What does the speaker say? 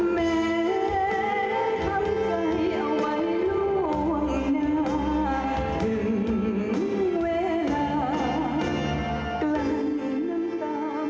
แม้คำใจเอาไว้ร่วงหน้าถึงเวลากลับน้ำตาไม้ไหว